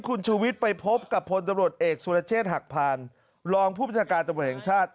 คุณชูวิทย์ไปพบกับพลตำรวจเอกสุรเชษฐ์หักพานรองผู้ประชาการตำรวจแห่งชาติ